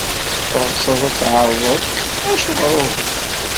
Teɣsed ad tɛerḍed? Acuɣer uhu?